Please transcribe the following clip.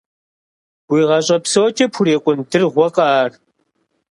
Уи гъащӀэ псокӀэ пхурикъун дыргъуэкъэ ар?!